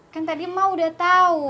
kan tadi mak udah tau